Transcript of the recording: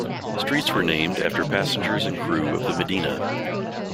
Streets were named after passengers and crew of the "Medina".